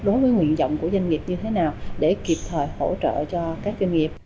đối với nguyện dọng của doanh nghiệp như thế nào để kịp thời hỗ trợ cho các doanh nghiệp